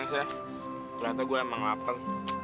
tengsa kelihatan gue emang lapar